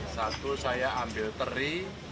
satu saya ambil teri